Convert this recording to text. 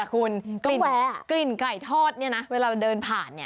กลิ่นไก่ทอดนี่นะเวลาเดินผ่าน